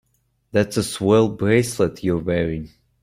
That's a swell bracelet you're wearing.